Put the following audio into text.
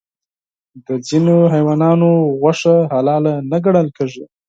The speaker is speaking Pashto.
د ځینې حیواناتو غوښه حلال نه ګڼل کېږي.